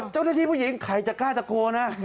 เจ้าหน้าที่ผู้หญิงใครจะกล้าตะโกน